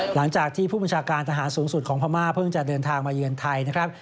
หลังจากที่ผู้บัญชาการทหารสูงสุดของพม่าเพิ่งจะเดินทางมาเยือนไทยนะครับ